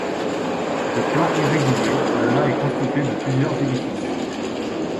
De plan irrégulier, le mas est constitué de plusieurs édifices.